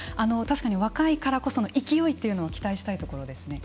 確かに若いからこその勢いというのを期待したいところですね。